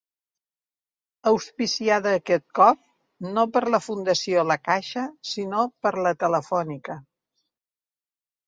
Auspiciada, aquest cop, no per la Fundació La Caixa sinó per la Telefònica.